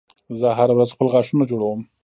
زه هره ورځ خپل غاښونه جوړوم